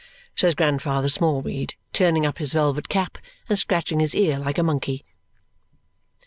says Grandfather Smallweed, turning up his velvet cap and scratching his ear like a monkey.